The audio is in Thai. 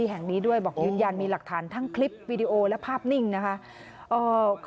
แห่งนี้ด้วยบอกยืนยันมีหลักฐานทั้งคลิปวีดีโอและภาพนิ่งนะคะ